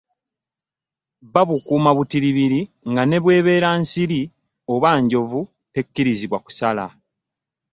Babukuuma butilibiri nga nebwebera nsiri oba njoovu tekakirizibwa kusaala.